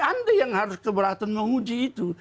anda yang harus keberatan menguji itu